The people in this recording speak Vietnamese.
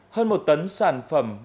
hơn một tấn sản phẩm động viên